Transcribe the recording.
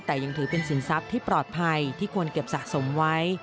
แต่ยังถือเป็นสินทรัพย์ที่ปลอดภัยที่ควรเก็บสะสมไว้